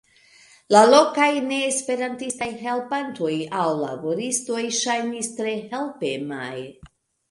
La lokaj neesperantistaj helpantoj aŭ laboristoj ŝajnis tre helpemaj.